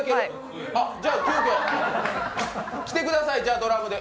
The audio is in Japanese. じゃあ、急きょ、来てくださいドラムで。